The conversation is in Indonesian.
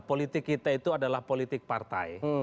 politik kita itu adalah politik partai